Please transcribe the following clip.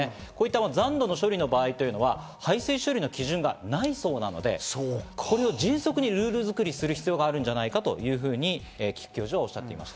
残土の処理の場合というのは排水処理の基準がないそうなので、これを迅速にルール作りする必要があるんじゃないかというふうに規矩教授は言っていました。